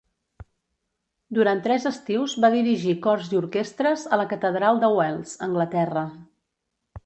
Durant tres estius va dirigir cors i orquestres a la catedral de Wells (Anglaterra).